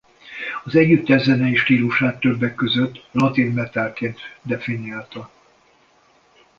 Az együttes zenei stílusát többek között latin metalként definiálta.